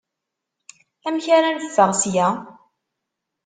Amek ara neffeɣ seg-a?